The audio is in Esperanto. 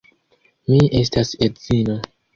Mi estas edzino.